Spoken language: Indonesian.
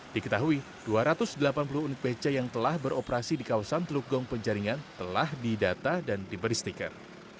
diketahui dua ratus delapan puluh unit beca yang telah beroperasi di kawasan teluk gong penjaringan telah didata dan diberi stiker